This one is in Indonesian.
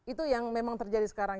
itu yang memang terjadi sekarang